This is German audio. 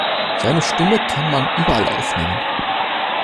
Seine Stimme kann man überall aufnehmen.